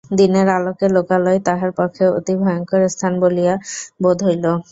দিনের আলোকে লোকালয় তাহার পক্ষে অতি ভয়ংকর স্থান বলিয়া বোধ হইল।